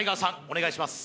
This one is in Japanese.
お願いします